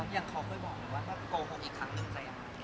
ถ้าโกหกอีกครั้งรู้ใจอ่ะ